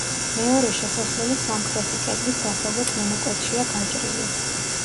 მეორე შესასვლელი სამხრეთი კედლის დასავლეთ მონაკვეთშია გაჭრილი.